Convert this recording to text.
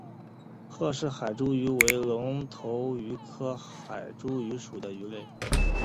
赫氏海猪鱼为隆头鱼科海猪鱼属的鱼类。